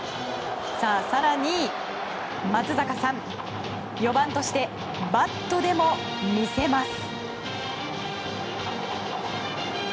更に松坂さん、４番としてバットでも見せます。